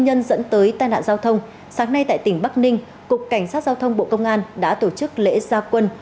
nhân dẫn tới tai nạn giao thông sáng nay tại tỉnh bắc ninh cục cảnh sát giao thông bộ công an đã tổ chức lễ gia quân